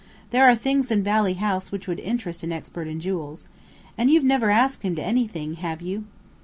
There are things in Valley House which would interest an expert in jewels. And you've never asked him to anything, have you?"